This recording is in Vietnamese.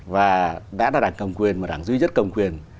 và đã là đảng cầm quyền mà đảng duy nhất cầm quyền